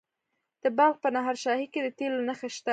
د بلخ په نهر شاهي کې د تیلو نښې شته.